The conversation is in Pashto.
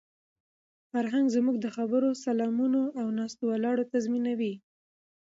فرهنګ زموږ د خبرو، سلامونو او ناسته ولاړه تنظیموي.